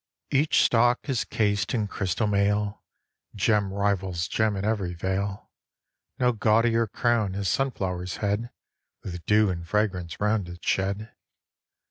Each stalk is cased in crystal mail, Gem rivals gem in every vale; No gaudier crown has sunflower's head, With dew and fragrance round it shed.